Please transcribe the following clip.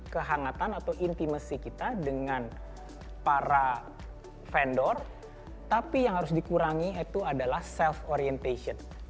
kehangatan atau intimacy kita dengan para vendor tapi yang harus dikurangi itu adalah self orientation